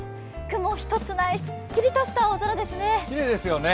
雲一つないすっきりとした青空ですよね。